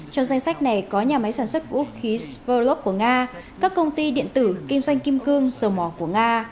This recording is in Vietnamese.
trong danh sách này có nhà máy sản xuất vũ khí sverlov của nga các công ty điện tử kinh doanh kim cương sầu mỏ của nga